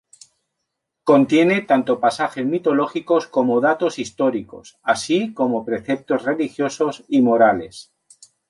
Contiene tanto pasajes mitológicos como datos históricos, así como preceptos religiosos y morales.